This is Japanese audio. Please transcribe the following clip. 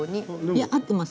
いや合ってます。